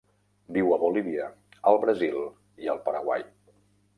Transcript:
Viu a Bolívia, el Brasil i el Paraguai.